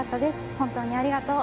本当に、ありがとう。